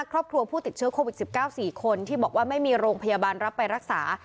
ครอบครัวผู้ติดเชื้อโควิด๑๙๔คนที่บอกว่าไม่มีโรงพยาบาลรับไปรักษา